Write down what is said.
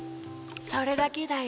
・それだけだよ。